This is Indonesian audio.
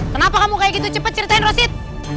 kenapa kamu kayak gitu cepet ceritain rosit